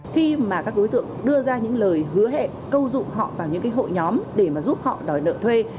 khi mà các đối tượng đưa ra những lời hứa hẹn câu dụng họ vào những hội nhóm để mà giúp họ đòi nợ thuê